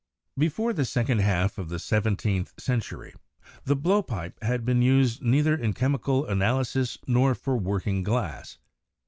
Before the second half of the seventeenth century the blowpipe had been used neither in chemical analysis nor for working glass.